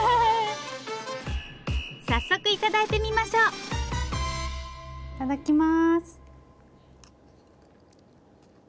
早速頂いてみましょういただきます。